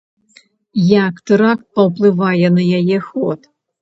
Як тэракт паўплывае на яе ход?